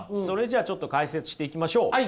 それじゃあちょっと解説していきましょう。